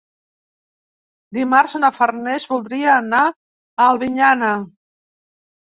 Dimarts na Farners voldria anar a Albinyana.